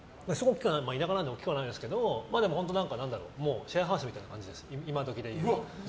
田舎なので大きくはないですけどシェアハウスみたいな感じです今時でいう。